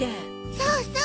そうそう！